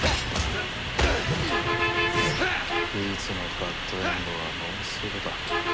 ギーツのバッドエンドはもうすぐだ。